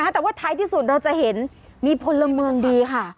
แต่ว่าท้ายที่สุดเราจะเห็นมีพลเมืองดีค่ะ